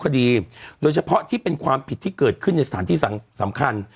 ก็ดีโดยเฉพาะที่เป็นความผิดที่เกิดขึ้นในสถานที่สำคัญ